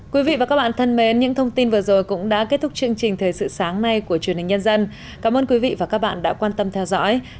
quý vị và các bạn thân mến những thông tin vừa rồi cũng đã kết thúc chương trình thời sự sáng nay của truyền hình nhân dân cảm ơn quý vị và các bạn đã quan tâm theo dõi thân ái chào tạm biệt